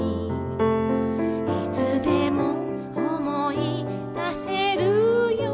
「いつでも思い出せるよ」